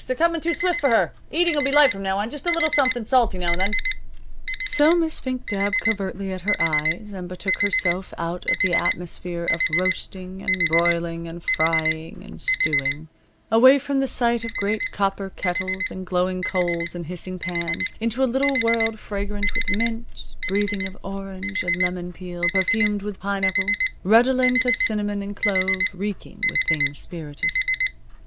They're coming too swift for her. The eating will be light from now on; just a little something salty now and then." So Miss Fink dabbed covertly at her eyes and betook herself out of the atmosphere of roasting, and broiling, and frying, and stewing; away from the sight of great copper kettles, and glowing coals and hissing pans, into a little world fragrant with mint, breathing of orange and lemon peel, perfumed with pineapple, redolent of cinnamon and clove, reeking with things spirituous.